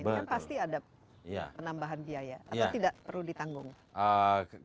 ini kan pasti ada penambahan biaya atau tidak perlu ditanggung